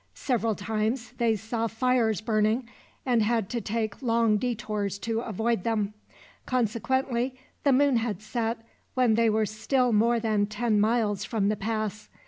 Several times they saw fires burning, and had to take long detours to avoid them. Consequently the moon had set when they were still more than ten miles from the pass.